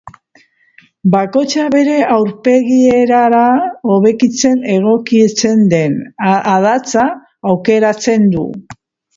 Bakoitzak bere aurpegierara hobekien egokitzen den adatsa aukeratzen du.